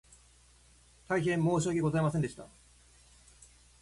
大変申し訳ございませんでした